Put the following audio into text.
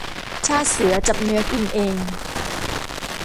ชาติเสือจับเนื้อกินเอง